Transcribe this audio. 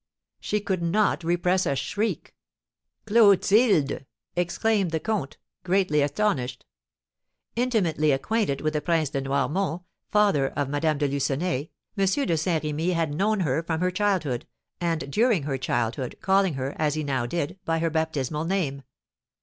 She could not repress a shriek. "Clotilde!" exclaimed the comte, greatly astonished. Intimately acquainted with the Prince de Noirmont, father of Madame de Lucenay, M. de Saint Remy had known her from her childhood, and, during her girlhood, calling her, as he now did, by her baptismal name.